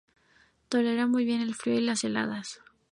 Tolera muy bien el frío y las heladas.